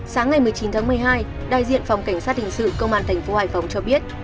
sáng ngày một mươi chín tháng một mươi hai đại diện phòng cảnh sát hình sự công an thành phố hải phòng cho biết